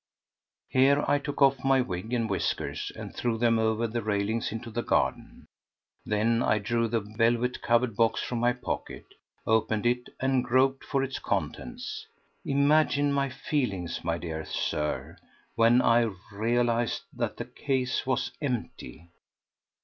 Here I took off my wig and whiskers and threw them over the railings into the garden. Then I drew the velvet covered box from my pocket, opened it, and groped for its contents. Imagine my feelings, my dear Sir, when I realised that the case was empty!